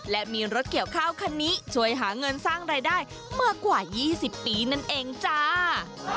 และมีรถเกี่ยวข้าวคันนี้ช่วยหาเงินสร้างรายได้มากกว่า๒๐ปีนั่นเองจ้า